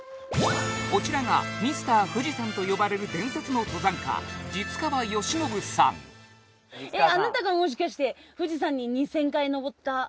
こちらがミスター富士山と呼ばれる伝説の登山家實川欣伸さんあっ！